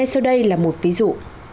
sau đây là một ví dụ